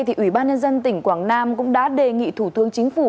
thì ủy ban nhân dân tỉnh quảng nam cũng đã đề nghị thủ tướng chính phủ